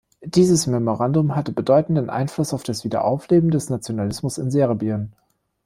Dieses Memorandum hatte bedeutenden Einfluss auf das Wiederaufleben des Nationalismus in Serbien.